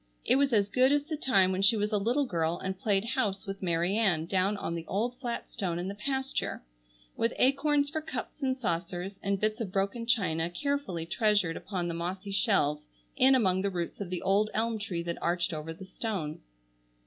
It was as good as the time when she was a little girl and played house with Mary Ann down on the old flat stone in the pasture, with acorns for cups and saucers, and bits of broken china carefully treasured upon the mossy shelves in among the roots of the old elm tree that arched over the stone.